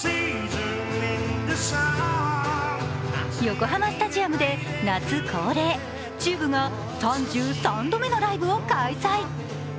横浜スタジアムで夏恒例ＴＵＢＥが３３度目のライブを開催。